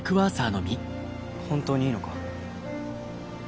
本当にいいのか？